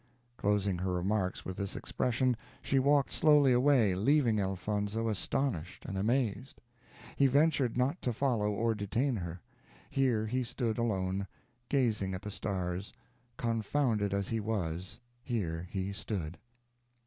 Closing her remarks with this expression, she walked slowly away, leaving Elfonzo astonished and amazed. He ventured not to follow or detain her. Here he stood alone, gazing at the stars; confounded as he was, here he stood.